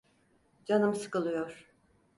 Canım sıkılıyor.